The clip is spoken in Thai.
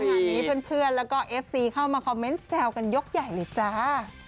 งานนี้เพื่อนแล้วก็เอฟซีเข้ามาคอมเมนต์แซวกันยกใหญ่เลยจ้า